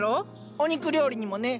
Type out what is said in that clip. お肉料理にもね。